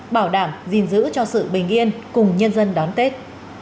bảo đảm gìn giữ cho sự bình yên cùng nhân dân đón tết